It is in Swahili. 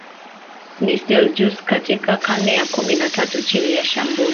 na Seljuks Katika karne ya kumi na tatu chini ya shambulio